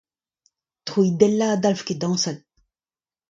Troidellañ ne dalv ket dañsal.